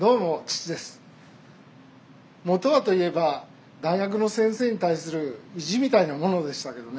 元はと言えば大学の先生に対する意地みたいなものでしたけどね。